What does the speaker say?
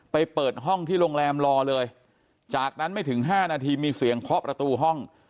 เปิดห้องที่โรงแรมรอเลยจากนั้นไม่ถึง๕นาทีมีเสียงเคาะประตูห้อง